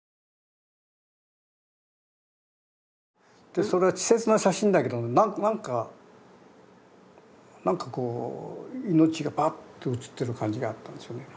でそれは稚拙な写真だけど何か何かこう命がバッと写ってる感じがあったんですよね。